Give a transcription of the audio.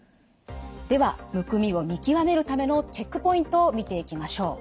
ではむくみを見極めるためのチェックポイントを見ていきましょう。